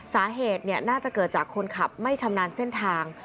สาเหตุน่าจะเกิดจากคนขับไม่ชำนาญเส้นทาง